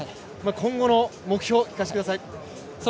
今後の目標聞かせてください。